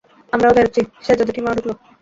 আমরাও বেরুচ্চি, সেজজেঠিমাও ঢুকলো।